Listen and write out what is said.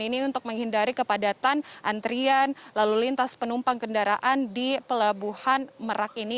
ini untuk menghindari kepadatan antrian lalu lintas penumpang kendaraan di pelabuhan merak ini